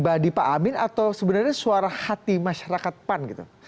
jadi pak amin atau sebenarnya suara hati masyarakat pan gitu